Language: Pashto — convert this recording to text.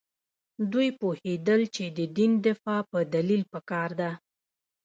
دوی پوهېدل چې د دین دفاع په دلیل پکار ده.